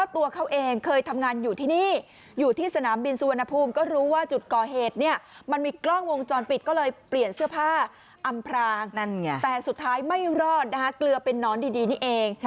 แต่สุดท้ายไม่รอดเกลือเป็นนอนดีนี่เอง